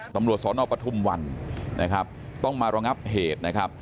ตำรวจสนปทุมวันนะครับต้องมาระงับเหตุนะครับ